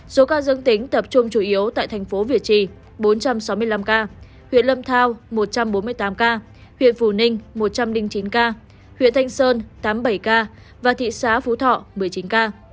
số ca dương tính tập trung chủ yếu tại thành phố việt trì bốn trăm sáu mươi năm ca huyện lâm thao một trăm bốn mươi tám ca huyện phù ninh một trăm linh chín ca huyện thanh sơn tám mươi bảy ca và thị xã phú thọ một mươi chín ca